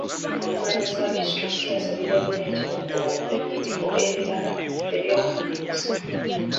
Omukulembeze wa distulikiti asabye gavumenti okukulaakulanya ebifo ebirala eby'obulambuzi.